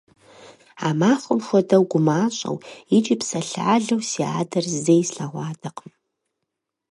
А махуэм хуэдэу гумащӀэу икӀи псалъалэу си адэр зэи слъэгъуатэкъым.